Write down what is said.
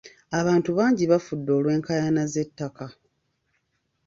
Abantu bangi bafudde olw'enkaayana z'ettaka.